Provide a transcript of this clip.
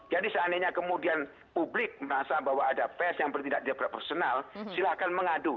jadi seandainya kemudian publik merasa bahwa ada pers yang bertindak di awan personal silahkan mengadu